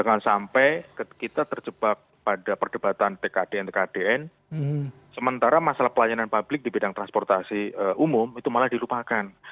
jangan sampai kita terjebak pada perdebatan tkdn tkdn sementara masalah pelayanan publik di bidang transportasi umum itu malah dilupakan